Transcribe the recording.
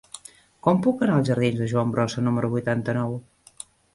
Com puc anar als jardins de Joan Brossa número vuitanta-nou?